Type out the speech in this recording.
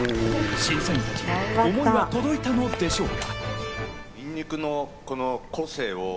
審査員たちに想いは届いたのでしょうか。